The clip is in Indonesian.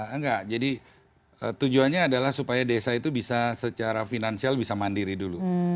enggak jadi tujuannya adalah supaya desa itu bisa secara finansial bisa mandiri dulu